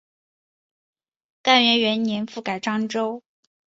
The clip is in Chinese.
干元元年复改漳州。